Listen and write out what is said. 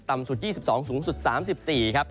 สุด๒๒สูงสุด๓๔ครับ